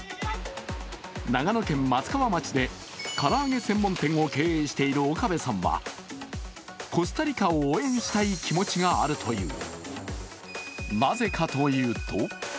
長野県松川町で唐揚げ専門店を経営している岡部さんはコスタリカを応援したい気持ちがあるという。